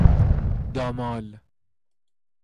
دامال